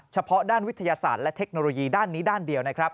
เฉพาะด้านวิทยาศาสตร์และเทคโนโลยีด้านนี้ด้านเดียวนะครับ